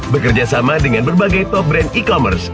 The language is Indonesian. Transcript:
bekerjasama dengan berbagai top brand e commerce